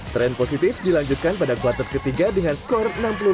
trend positif dilanjutkan pada kuartal ketiga dengan skor enam puluh lima tiga puluh enam